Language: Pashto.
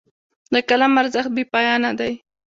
د قلم ارزښت بې پایانه دی.